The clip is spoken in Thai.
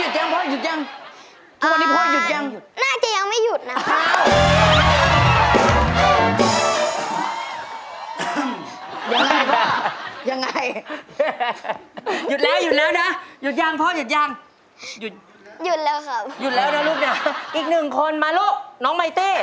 ตอนนี้พ่อหยุดยัง